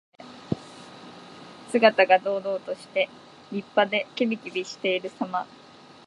姿が堂々として、立派で、きびきびしているさま。